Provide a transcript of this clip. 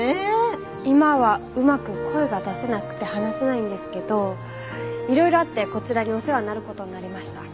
今はうまく声が出せなくて話せないんですけどいろいろあってこちらにお世話になることになりました。